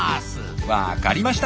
分かりました！